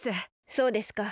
そうですか。